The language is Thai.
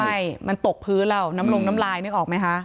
ใช่มันตกพื้นแล้วน้ำลงน้ำลายนึกออกไหมคะ